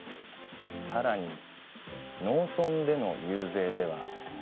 さらに農村での遊説では。